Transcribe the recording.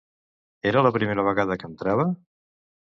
Era la primera vegada que entrava?